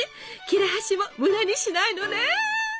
切れ端も無駄にしないのね！